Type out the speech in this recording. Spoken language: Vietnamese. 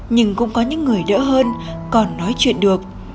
nhưng cũng có những người đỡ hơn còn nói chuyện được